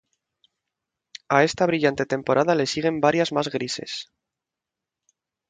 A esta brillante temporada le siguen varias más grises.